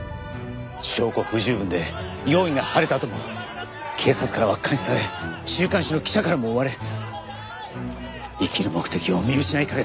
証拠不十分で容疑が晴れたあとも警察からは監視され週刊誌の記者からも追われ生きる目的を見失いかけていた。